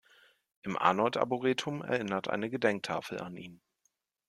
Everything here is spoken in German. Im Arnold Arboretum erinnert eine Gedenktafel an ihn.